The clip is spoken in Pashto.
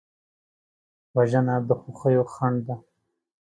وژنه د خوښیو خنډ ده